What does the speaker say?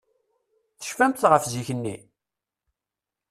Tecfamt ɣef zik-nni?